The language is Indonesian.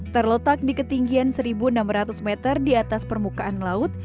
terletak di ketinggian seribu enam ratus meter di atas permukaan laut